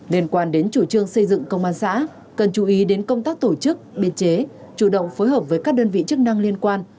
liên quan đến chủ trương xây dựng công an xã cần chú ý đến công tác tổ chức biên chế chủ động phối hợp với các đơn vị chức năng liên quan